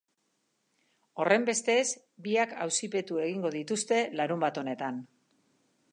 Horrenbestez, biak auzipetu egingo dituzte larunbat honetan.